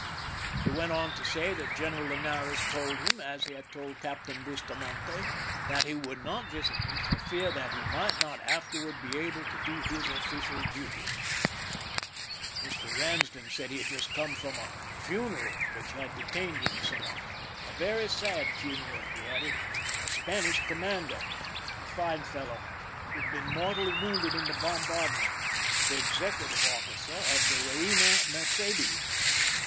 He went on to say that Qeneral Linares told him, as he had told Captain Bustamante, that he would not visit me for fear that he might not afterward be able to do his official duty. Mr. Eamsden said he had just come from a funeral, which had detained him somewhat. "A 226 PRISON LIFE THE SIEGE very sad funeral," he added, "a Spanish com mander—a fine fellow, who had been mortally wounded in the bombardment— the executive officer of the Reina Mercedes.'